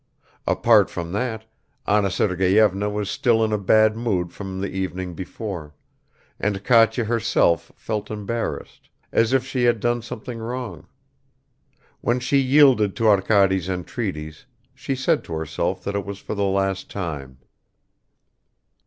Apart from that, Anna Sergeyevna was still in a bad mood from the evening before, and Katya herself felt embarrassed, as if she had done something wrong. When she yielded to Arkady's entreaties, she said to herself that it was for the last time.